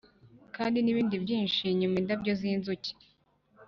kandi nibindi byinshi, nyuma indabyo zinzuki,